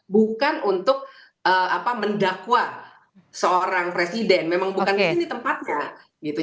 bukan untuk mendakwa seorang presiden memang bukan ini tempatnya gitu